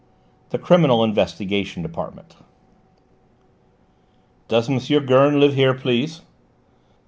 THE CRIMINAL INVESTIGATION DEPARTMENT "Does M. Gurn live here, please?"